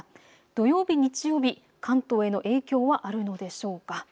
土曜日、日曜日、関東への影響はあるのでしょうか。